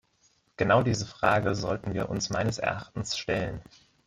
Genau diese Frage sollten wir uns meines Erachtens stellen.